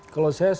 kalau saya semakin